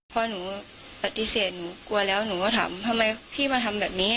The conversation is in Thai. พอหนูปฏิเสธหนูกลัวแล้วหนูก็ถามทำไมพี่มาทำแบบนี้